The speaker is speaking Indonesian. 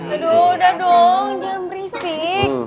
aduh udah dong jam berisik